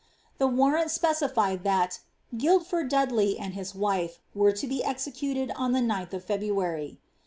'' The warrant spedfied that ^ Guildford Dudley and his wife" were to be executed on the 9ili of February.